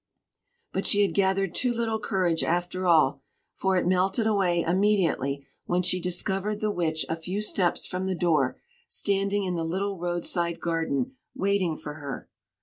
But she had gathered too little courage, after all; for it melted away immediately when she discovered the Witch a few steps from the door, standing in the little roadside garden, waiting for her.